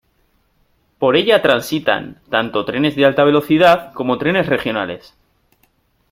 Por ella transitan tanto trenes de alta velocidad como trenes regionales.